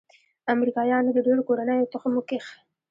امریکايانو د ډېرو کورنيو تخم وکيښ.